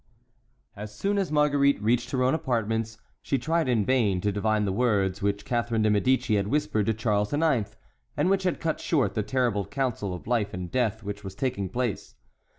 As soon as Marguerite reached her own apartments she tried in vain to divine the words which Catharine de Médicis had whispered to Charles IX., and which had cut short the terrible council of life and death which was taking place.